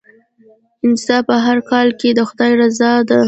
انصاف په هر کار کې د خدای رضا ده.